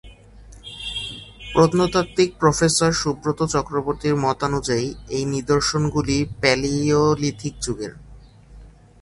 প্রত্নতাত্ত্বিক প্রফেসর সুব্রত চক্রবর্তীর মতানুযায়ী এই নিদর্শন গুলি প্যালিওলিথিক যুগের।